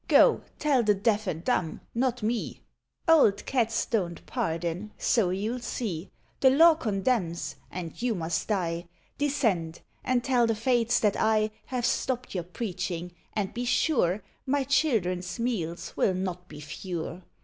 Go, tell the deaf and dumb not me: Old Cats don't pardon, so you'll see. The law condemns, and you must die: Descend, and tell the Fates that I Have stopped your preaching, and be sure My children's meals will not be fewer."